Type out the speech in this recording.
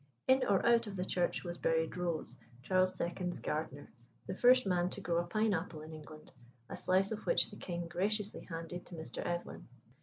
In or out of the church was buried Rose, Charles II.'s gardener, the first man to grow a pine apple in England a slice of which the king graciously handed to Mr. Evelyn.